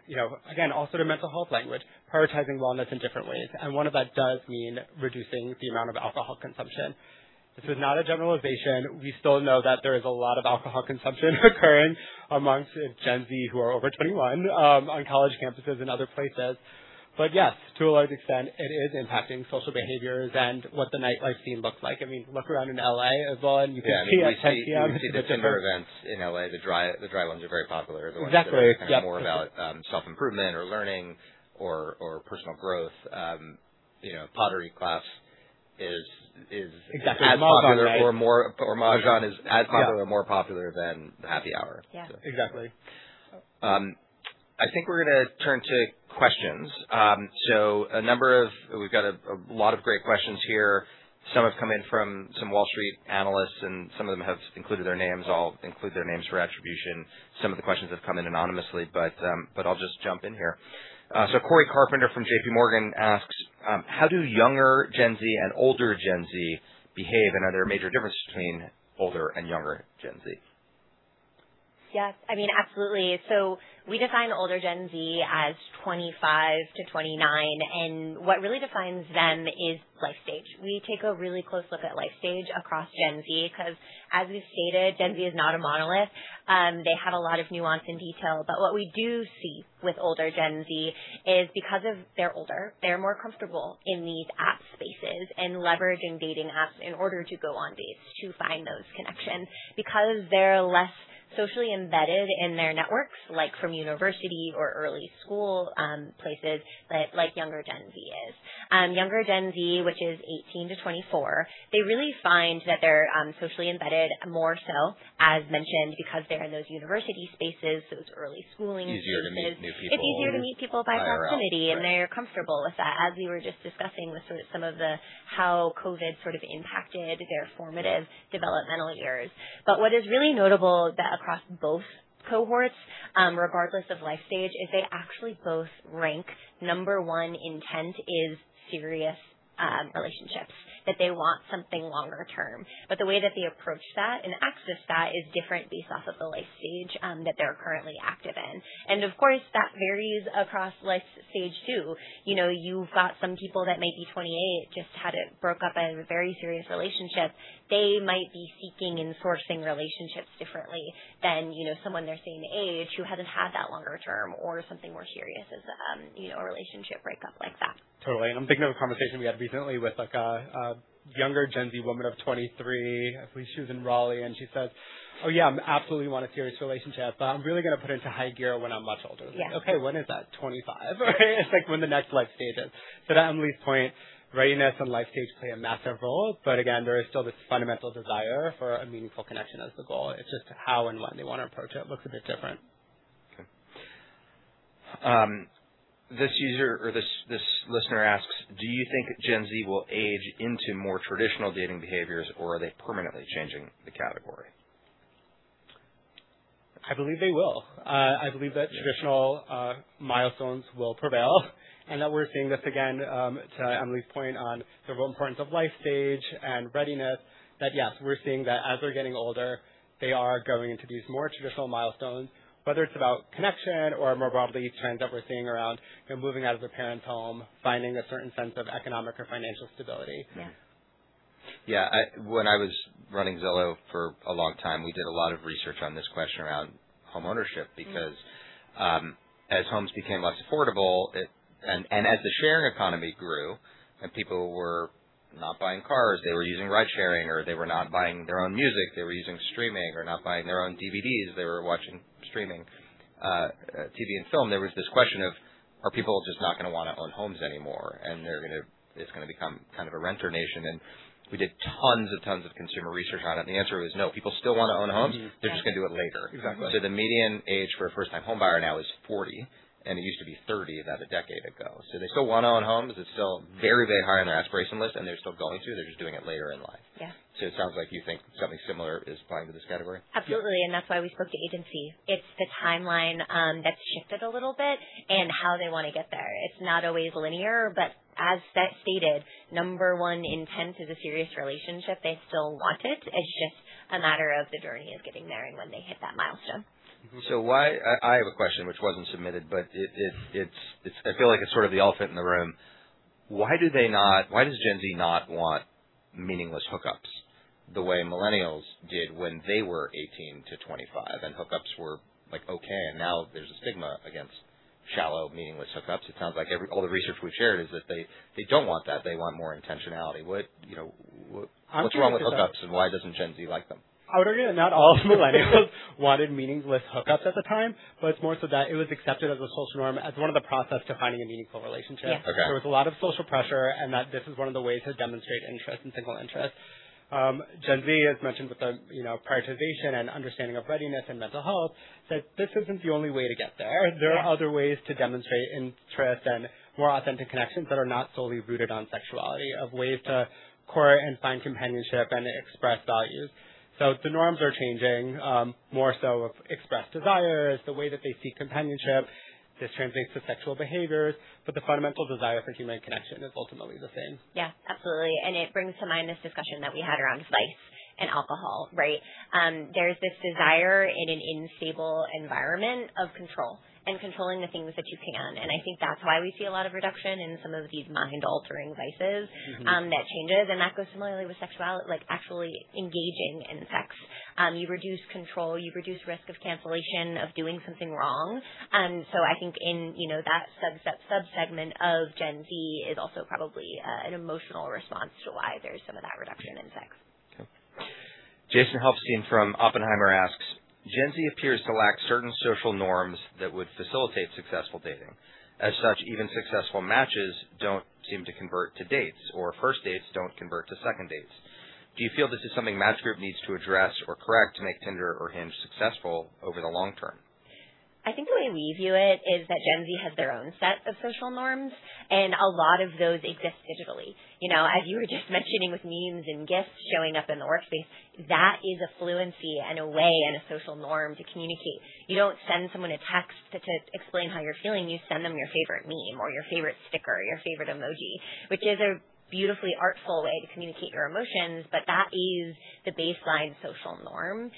again, also the mental health language, prioritizing wellness in different ways, and one of that does mean reducing the amount of alcohol consumption. This is not a generalization. We still know that there is a lot of alcohol consumption occurring amongst Gen Z who are over 21 on college campuses and other places. Yes, to a large extent, it is impacting social behaviors and what the nightlife scene looks like. Look around in L.A. as well, and you can see a 10:00 P.M. Yeah, we see the different events in L.A., the dry ones are very popular. Exactly. Yeah The ones that are more about self-improvement or learning or personal growth. Pottery class is- Exactly. Mahjong Mahjong is as popular or more popular than happy hour. Yeah. Exactly. I think we're going to turn to questions. We've got a lot of great questions here. Some have come in from some Wall Street analysts, and some of them have included their names. I'll include their names for attribution. Some of the questions have come in anonymously, but I'll just jump in here. Cory Carpenter from JPMorgan asks, "How do younger Gen Z and older Gen Z behave, and are there major differences between older and younger Gen Z? We define older Gen Z as 25-29, and what really defines them is life stage. We take a really close look at life stage across Gen Z because, as we've stated, Gen Z is not a monolith. They have a lot of nuance and detail. What we do see with older Gen Z is because they're older, they're more comfortable in these app spaces and leveraging dating apps in order to go on dates to find those connections. Because they're less socially embedded in their networks, like from university or early school places, like younger Gen Z is. Younger Gen Z, which is 18-24, they really find that they're socially embedded more so, as mentioned, because they're in those university spaces, those early schooling spaces. It's easier to meet new people when you're. It's easier to meet people by proximity. Higher up. Right They're comfortable with that, as we were just discussing with some of how COVID-19 sort of impacted their formative developmental years. What is really notable is that across both cohorts, regardless of life stage, is they actually both rank number one intent is serious relationships, that they want something longer term. The way that they approach that and access that is different based off of the life stage that they're currently active in. Of course, that varies across life stage too. You've got some people that may be 28, just broke up a very serious relationship. They might be seeking and sourcing relationships differently than someone their same age who hasn't had that longer term or something more serious as a relationship breakup like that. Totally. I'm thinking of a conversation we had recently with a younger Gen Z woman of 23. I believe she was in Raleigh, and she says, "Oh, yeah, I absolutely want a serious relationship, but I'm really going to put it into high gear when I'm much older. Yeah. I was like, "Okay, when is that? 25?" It's like when the next life stage is. To Emily's point, readiness and life stage play a massive role, but again, there is still this fundamental desire for a meaningful connection as the goal. It's just how and when they want to approach it looks a bit different. Okay. This user or this listener asks, "Do you think Gen Z will age into more traditional dating behaviors, or are they permanently changing the category? I believe they will. I believe that traditional milestones will prevail, and that we're seeing this, again, to Emily's point on the real importance of life stage and readiness, that yes, we're seeing that as they're getting older, they are going into these more traditional milestones, whether it's about connection or more broadly, trends that we're seeing around moving out of their parents' home, finding a certain sense of economic or financial stability. Yeah. Yeah. When I was running Zillow for a long time, we did a lot of research on this question around home ownership because as homes became less affordable, as the sharing economy grew and people were not buying cars, they were using ride sharing, or they were not buying their own music, they were using streaming, or not buying their own DVDs, they were watching streaming TV and film. There was this question of, Are people just not going to want to own homes anymore, and it's going to become kind of a renter nation? We did tons and tons of consumer research on it, and the answer is no. People still want to own homes. Yeah. They're just going to do it later. Exactly. The median age for a first-time home buyer now is 40, and it used to be 30 about a decade ago. They still want to own homes. It's still very high on their aspiration list, and they're still going to. They're just doing it later in life. Yeah. It sounds like you think something similar is applying to this category? Absolutely, that's why we spoke to Gen Z. It's the timeline that's shifted a little bit in how they want to get there. It's not always linear, but as Seth stated, number 1 intent is a serious relationship. They still want it. It's just a matter of the journey of getting there and when they hit that milestone. I have a question which wasn't submitted, but I feel like it's sort of the elephant in the room. Why does Gen Z not want meaningless hookups the way millennials did when they were 18-25 and hookups were okay, and now there's a stigma against shallow, meaningless hookups? It sounds like all the research we've shared is that they don't want that. They want more intentionality. What's wrong with hookups, and why doesn't Gen Z like them? I would argue that not all millennials wanted meaningless hookups at the time, but it's more so that it was accepted as a social norm, as one of the process to finding a meaningful relationship. Okay. There was a lot of social pressure, that this is one of the ways to demonstrate interest and signal interest. Gen Z, as mentioned with the prioritization and understanding of readiness and mental health, said this isn't the only way to get there. Yeah. There are other ways to demonstrate interest and more authentic connections that are not solely rooted on sexuality, of ways to court and find companionship and express values. The norms are changing, more so of expressed desires, the way that they seek companionship. This translates to sexual behaviors, the fundamental desire for human connection is ultimately the same. Yeah, absolutely. It brings to mind this discussion that we had around vice and alcohol, right? There's this desire in an unstable environment of control and controlling the things that you can, I think that's why we see a lot of reduction in some of these mind-altering vices. That changes, that goes similarly with sexuality, actually engaging in sex. You reduce control, you reduce risk of cancellation, of doing something wrong. I think in that subsegment of Gen Z is also probably an emotional response to why there's some of that reduction in sex. Okay. Jason Helfstein from Oppenheimer asks, "Gen Z appears to lack certain social norms that would facilitate successful dating. As such, even successful matches don't seem to convert to dates, or first dates don't convert to second dates. Do you feel this is something Match Group needs to address or correct to make Tinder or Hinge successful over the long term? I think the way we view it is that Gen Z has their own set of social norms. A lot of those exist digitally. As you were just mentioning with memes and GIFs showing up in the workspace, that is a fluency and a way and a social norm to communicate. You don't send someone a text to explain how you're feeling. You send them your favorite meme or your favorite sticker, your favorite emoji, which is a beautifully artful way to communicate your emotions, but that is the baseline social norm.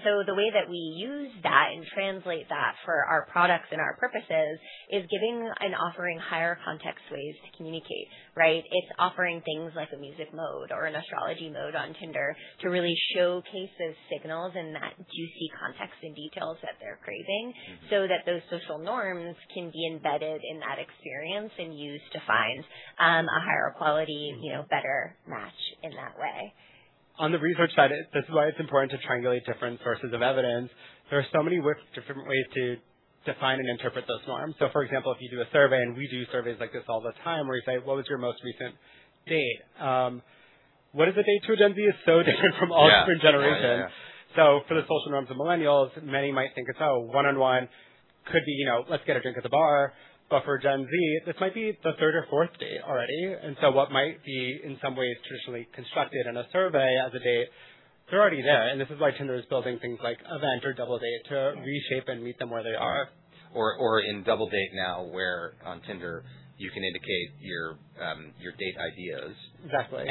The way that we use that and translate that for our products and our purposes is giving and offering higher context ways to communicate, right? It's offering things like a Music Mode or an Astrology Mode on Tinder to really showcase those signals and that juicy context and details that they're craving. That those social norms can be embedded in that experience and used to find a higher quality. Better match in that way. On the research side, this is why it's important to triangulate different sources of evidence. There are so many different ways to define and interpret those norms. For example, if you do a survey, and we do surveys like this all the time, where you say, "What was your most recent date?" What is a date to a Gen Z is so different from all. Yeah. Different generations. Oh, yeah. For the social norms of Millennials, many might think, oh, one-on-one could be let's get a drink at the bar. For Gen Z, this might be the third or fourth date already. What might be in some ways traditionally constructed in a survey as a date, they're already there, and this is why Tinder is building things like Events or Double Date to reshape and meet them where they are. In Double Date now, where on Tinder you can indicate your Date Ideas. Exactly.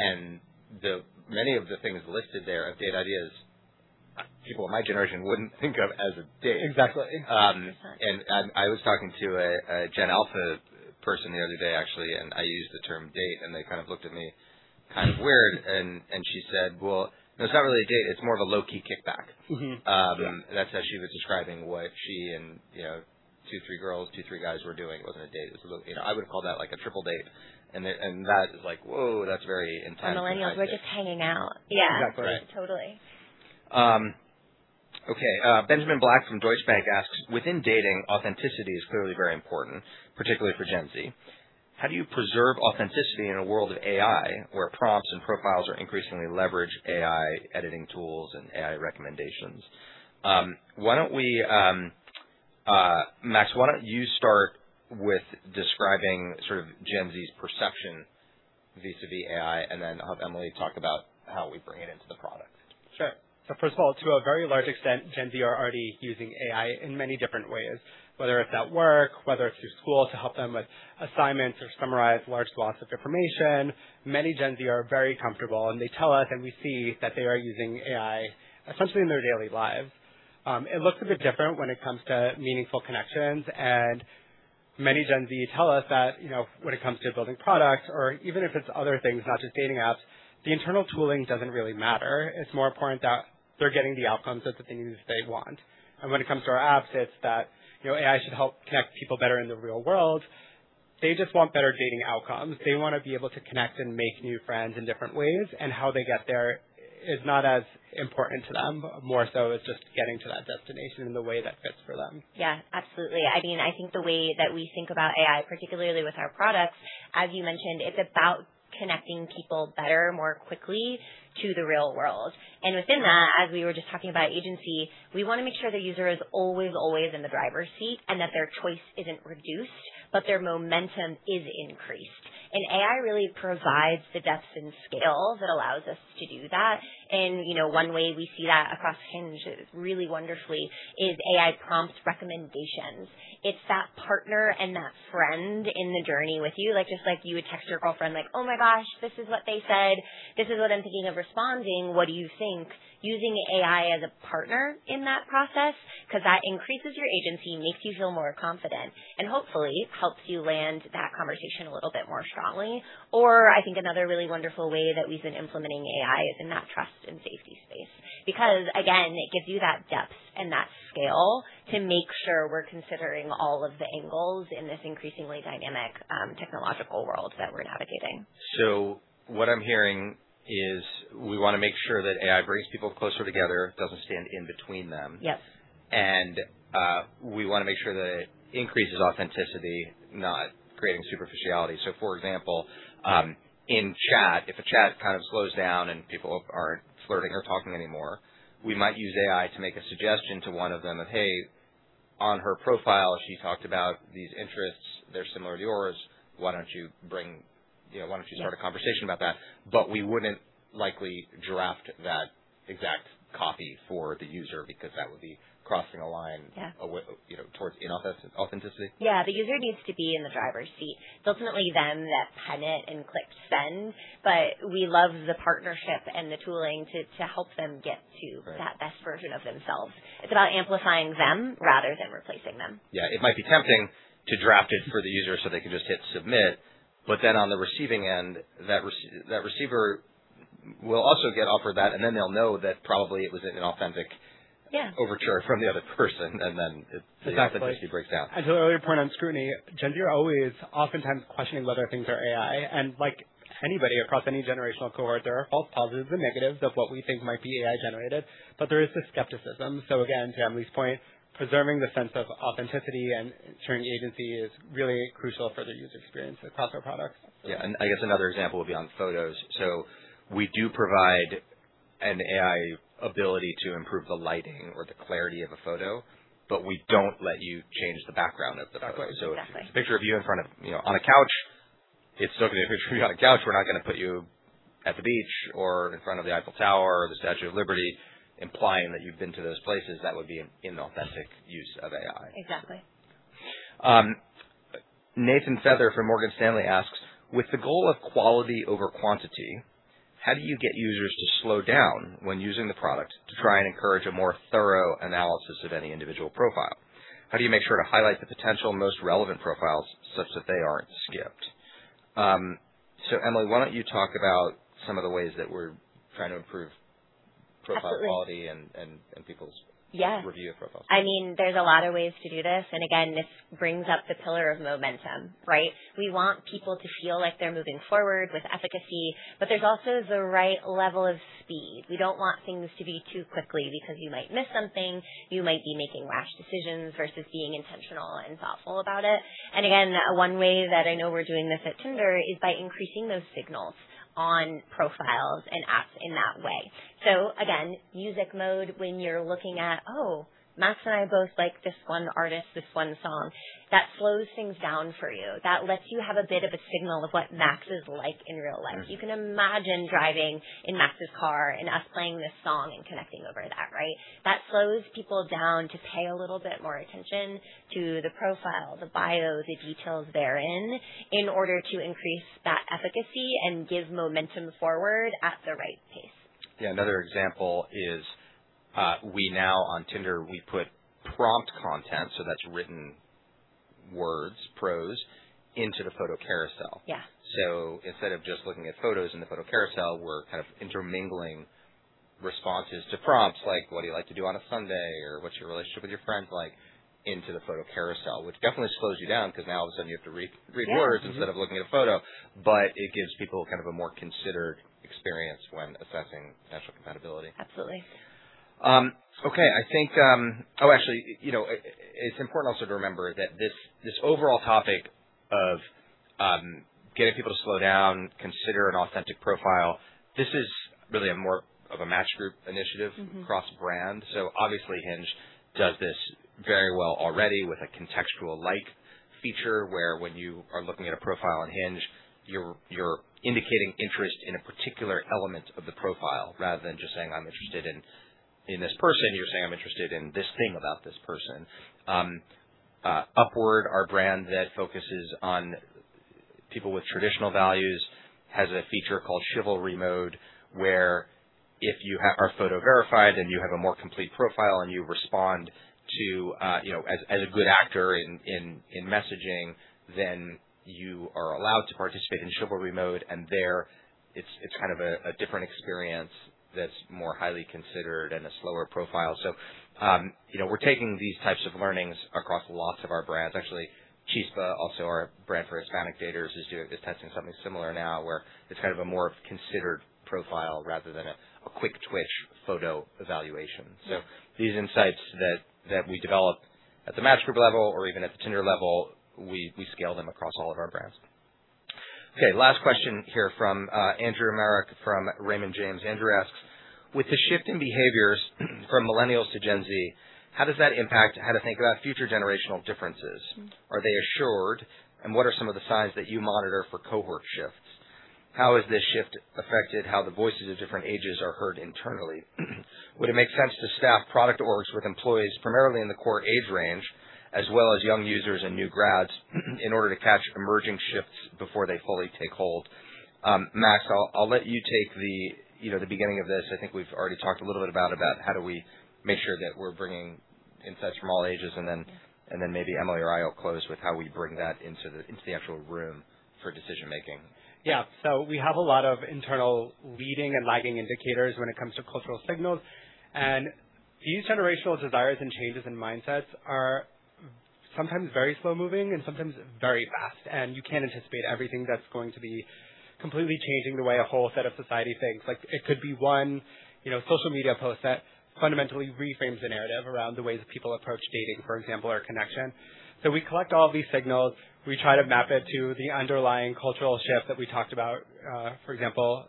Many of the things listed there of Date Ideas, people of my generation wouldn't think of as a date. Exactly. I was talking to a Gen Alpha person the other day actually, and I used the term date, and they kind of looked at me kind of weird and she said, "Well, no, it's not really a date. It's more of a low-key kickback. Yeah. That's how she was describing what she and two, three girls, two, three guys were doing. It wasn't a date. I would call that a triple date. That is like, whoa, that's very intense. For millennials, we're just hanging out. Yeah. Exactly. Totally. Okay. Benjamin Black from Deutsche Bank asks, "Within dating, authenticity is clearly very important, particularly for Gen Z. How do you preserve authenticity in a world of AI, where prompts and profiles are increasingly leverage AI editing tools and AI recommendations?" Max, why don't you start with describing Gen Z's perception vis-à-vis AI, and then have Emily talk about how we bring it into the product? Sure. First of all, to a very large extent, Gen Z are already using AI in many different ways, whether it's at work, whether it's through school to help them with assignments or summarize large swaths of information. Many Gen Z are very comfortable, and they tell us, and we see that they are using AI essentially in their daily lives. It looks a bit different when it comes to meaningful connections, and many Gen Z tell us that when it comes to building products or even if it's other things, not just dating apps, the internal tooling doesn't really matter. It's more important that they're getting the outcomes that the things they want. When it comes to our apps, it's that AI should help connect people better in the real world. They just want better dating outcomes. They want to be able to connect and make new friends in different ways. How they get there is not as important to them, more so it's just getting to that destination in the way that fits for them. Yeah, absolutely. I think the way that we think about AI, particularly with our products, as you mentioned, it's about connecting people better, more quickly to the real world. Within that, as we were just talking about agency, we want to make sure the user is always in the driver's seat and that their choice isn't reduced, but their momentum is increased. AI really provides the depth and scale that allows us to do that. One way we see that across Hinge really wonderfully is AI prompts recommendations. It's that partner and that friend in the journey with you. Just like you would text your girlfriend like, "Oh my gosh, this is what they said. This is what I'm thinking of responding. What do you think?" Using AI as a partner in that process, because that increases your agency and makes you feel more confident, and hopefully helps you land that conversation a little bit more strongly. I think another really wonderful way that we've been implementing AI is in that trust and safety space. Because again, it gives you that depth and that scale to make sure we're considering all of the angles in this increasingly dynamic, technological world that we're navigating. What I'm hearing is we want to make sure that AI brings people closer together, doesn't stand in between them. Yes. We want to make sure that it increases authenticity, not creating superficiality. For example, in chat, if a chat kind of slows down and people aren't flirting or talking anymore, we might use AI to make a suggestion to one of them of, "Hey, on her profile, she talked about these interests. They're similar to yours. Why don't you start a conversation about that?" We wouldn't likely draft that exact copy for the user because that would be crossing a line. Yeah. towards inauthenticity. Yeah. The user needs to be in the driver's seat. It's ultimately them that pen it and click send, but we love the partnership and the tooling to help them. Right. That best version of themselves. It's about amplifying them rather than replacing them. Yeah. It might be tempting to draft it for the user so they can just hit submit, but then on the receiving end, that receiver will also get offered that, and then they'll know that probably it wasn't an. Yeah. overture from the other person. Exactly. the authenticity breaks down. To the earlier point on scrutiny, Gen Z are always oftentimes questioning whether things are AI. Like anybody across any generational cohort, there are false positives and negatives of what we think might be AI-generated, but there is this skepticism. Again, to Emily's point, preserving the sense of authenticity and ensuring agency is really crucial for the user experience across our products. Yeah. I guess another example would be on photos. We do provide an AI ability to improve the lighting or the clarity of a photo, but we don't let you change the background of the photo. Exactly. If it's a picture of you on a couch, it's still going to be a picture of you on a couch. We're not going to put you at the beach or in front of the Eiffel Tower or the Statue of Liberty, implying that you've been to those places. That would be an inauthentic use of AI. Exactly. Nathan Feather from Morgan Stanley asks, "With the goal of quality over quantity, how do you get users to slow down when using the product to try and encourage a more thorough analysis of any individual profile? How do you make sure to highlight the potential most relevant profiles such that they aren't skipped?" Emily, why don't you talk about some of the ways that we're trying to improve. Absolutely. Profile quality and people's. Yeah. Review of profiles. There's a lot of ways to do this. Again, this brings up the pillar of momentum, right? We want people to feel like they're moving forward with efficacy. There's also the right level of speed. We don't want things to be too quickly because you might miss something. You might be making rash decisions versus being intentional and thoughtful about it. Again, one way that I know we're doing this at Tinder is by increasing those Signals on profiles and apps in that way. Music Mode when you're looking at, oh, Max and I both like this one artist, this one song. That slows things down for you. That lets you have a bit of a signal of what Max is like in real life. Sure. You can imagine driving in Max's car and us playing this song and connecting over that, right? That slows people down to pay a little bit more attention to the profile, the bio, the details therein, in order to increase that efficacy and give momentum forward at the right pace. Yeah. Another example is, we now on Tinder, we put prompt content, so that's written words, prose, into the photo carousel. Yeah. Instead of just looking at photos in the photo carousel, we're kind of intermingling responses to prompts like, "What do you like to do on a Sunday?" Or, "What's your relationship with your friends like?" into the photo carousel, which definitely slows you down because now all of a sudden you have to read words. Yeah. Mm-hmm. Instead of looking at a photo. It gives people kind of a more considered experience when assessing actual compatibility. Absolutely. Actually, it's important also to remember that this overall topic of getting people to slow down, consider an authentic profile, this is really more of a Match Group initiative. Cross-brand. Obviously, Hinge does this very well already with a contextual like feature, where when you are looking at a profile on Hinge, you're indicating interest in a particular element of the profile rather than just saying, "I'm interested in this person," you're saying, "I'm interested in this thing about this person." Upward, our brand that focuses on people with traditional values, has a feature called Chivalry Mode where if you are photo verified and you have a more complete profile and you respond as a good actor in messaging, then you are allowed to participate in Chivalry Mode. It's kind of a different experience that's more highly considered and a slower profile. We're taking these types of learnings across lots of our brands. Actually, Chispa, also our brand for Hispanic daters, is testing something similar now where it's kind of a more considered profile rather than a quick-twitch photo evaluation. These insights that we develop at the Match Group level or even at the Tinder level, we scale them across all of our brands. Okay, last question here from Andrew Marok from Raymond James. Andrew asks, "With the shift in behaviors from Millennials to Gen Z, how does that impact how to think about future generational differences? Are they assured, and what are some of the signs that you monitor for cohort shifts? How has this shift affected how the voices of different ages are heard internally? Would it make sense to staff product orgs with employees primarily in the core age range, as well as young users and new grads in order to catch emerging shifts before they fully take hold?" Max, I'll let you take the beginning of this. I think we've already talked a little bit about how do we make sure that we're bringing insights from all ages, and then maybe Emily or I will close with how we bring that into the actual room for decision-making. Yeah. We have a lot of internal leading and lagging indicators when it comes to cultural signals. These generational desires and changes in mindsets are sometimes very slow-moving and sometimes very fast, and you can't anticipate everything that's going to be completely changing the way a whole set of society thinks. Like it could be one social media post that fundamentally reframes the narrative around the ways that people approach dating, for example, or connection. We collect all of these signals. We try to map it to the underlying cultural shift that we talked about. For example,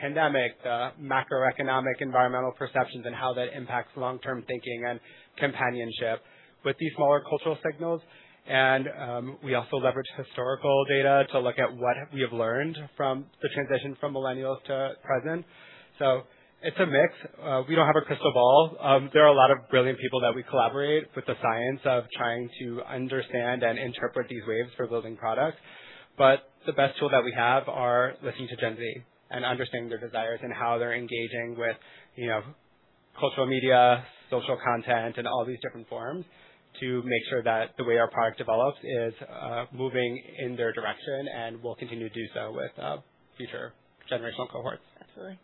pandemic, the macroeconomic environmental perceptions and how that impacts long-term thinking and companionship with these smaller cultural signals. We also leverage historical data to look at what we have learned from the transition from Millennials to present. It's a mix. We don't have a crystal ball. There are a lot of brilliant people that we collaborate with the science of trying to understand and interpret these waves for building products. The best tool that we have are listening to Gen Z and understanding their desires and how they're engaging with cultural media, social content, and all these different forms to make sure that the way our product develops is moving in their direction and will continue to do so with future generational cohorts. Absolutely.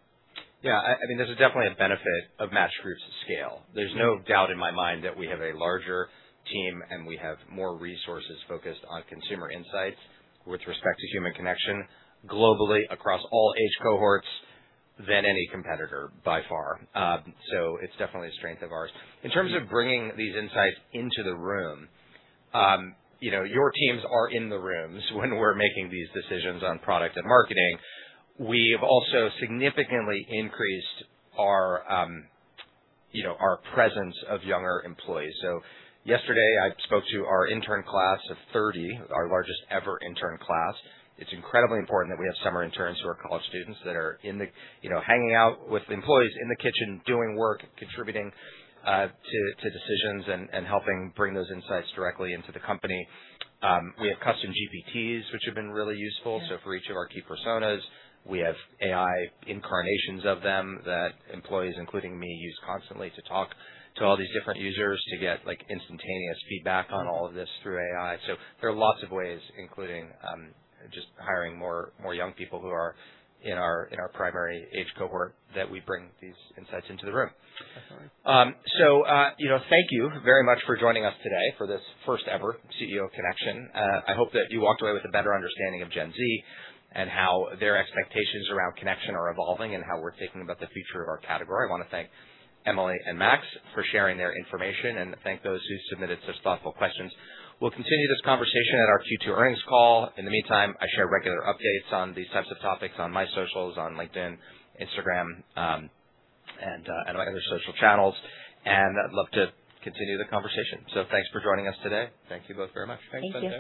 I mean, this is definitely a benefit of Match Group's scale. There's no doubt in my mind that we have a larger team, and we have more resources focused on consumer insights with respect to human connection globally across all age cohorts than any competitor by far. It's definitely a strength of ours. In terms of bringing these insights into the room, your teams are in the rooms when we're making these decisions on product and marketing. We've also significantly increased our presence of younger employees. Yesterday, I spoke to our intern class of 30, our largest-ever intern class. It's incredibly important that we have summer interns who are college students that are hanging out with employees in the kitchen, doing work, contributing to decisions, and helping bring those insights directly into the company. We have custom GPTs, which have been really useful. For each of our key personas, we have AI incarnations of them that employees, including me, use constantly to talk to all these different users to get instantaneous feedback on all of this through AI. There are lots of ways, including, just hiring more young people who are in our primary age cohort, that we bring these insights into the room. Definitely. Thank you very much for joining us today for this first-ever CEO Connection. I hope that you walked away with a better understanding of Gen Z and how their expectations around connection are evolving and how we're thinking about the future of our category. I want to thank Emily and Max for sharing their information and thank those who submitted such thoughtful questions. We'll continue this conversation at our Q2 earnings call. In the meantime, I share regular updates on these types of topics on my socials, on LinkedIn, Instagram, and my other social channels. I'd love to continue the conversation. Thanks for joining us today. Thank you both very much. Thanks, Spencer. Thank You.